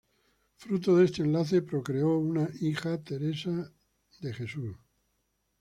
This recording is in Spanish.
Fruto de este enlace, procreó una hija Teresa de Jesús.